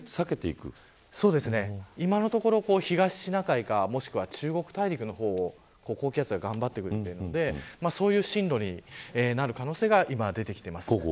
今のところ東シナ海か中国大陸の方を高気圧が頑張ってくるのでそういう進路になる可能性が今、出てきています。